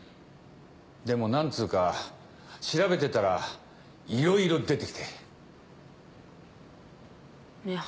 でも何つうか調べてたらいろいろ出て来て。ねぇ